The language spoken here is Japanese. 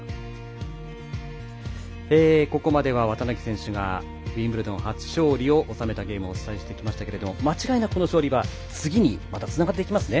ここまでは綿貫選手がウィンブルドン初勝利を収めたゲームをお伝えしてきましたけど間違いなく、この勝利は次に、つながっていきますね。